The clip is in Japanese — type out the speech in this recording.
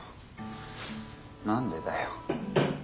何でだよ。